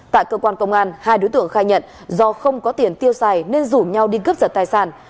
tại cơ quan công an hai đối tượng khai nhận do không có tiền tiêu xài nên rủ nhau đi cướp giật tài sản